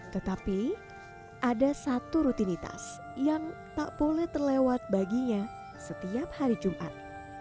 tetapi ada satu rutinitas yang tak boleh terlewat baginya setiap hari jumat